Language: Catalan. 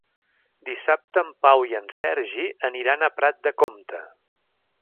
Dissabte en Pau i en Sergi aniran a Prat de Comte.